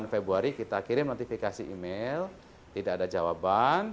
dua puluh delapan februari kita kirim notifikasi email tidak ada jawaban